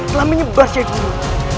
telah menyebar sheikh buruh